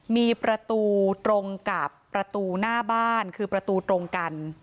มีประตูตรงกับประตูหน้าบ้านคือประตูตรงกัน